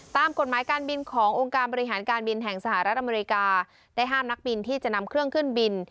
ตามกฎหมายการบินขององค์การบริหารการบินแห่งสหรัฐอเมริกาได้ห้ามนักบินที่จะนำเครื่องขึ้นบิน